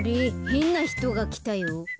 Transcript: へんなひとがきたよ。